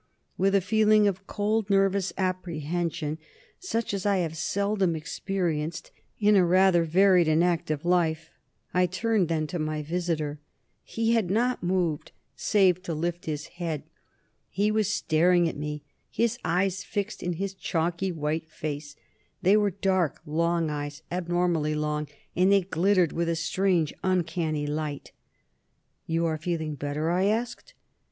With a feeling of cold, nervous apprehension such as I have seldom experienced in a rather varied and active life, I turned then to my visitor. He had not moved, save to lift his head. He was staring at me, his eyes fixed in his chalky white face. They were dark, long eyes abnormally long and they glittered with a strange, uncanny light. "You are feeling better?" I asked.